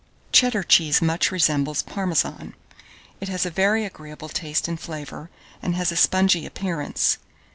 Cheddar cheese much resembles Parmesan. It has a very agreeable taste and flavour, and has a spongy appearance.